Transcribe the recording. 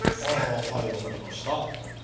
あはい分かりました。